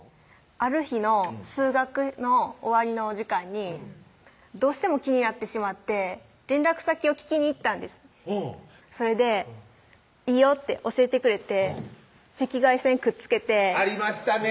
ある日の数学の終わりの時間にどうしても気になってしまって連絡先を聞きに行ったんですうんそれで「いいよ」って教えてくれて赤外線くっつけてありましたね